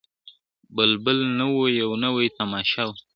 بلبل نه وو یوه نوې تماشه وه `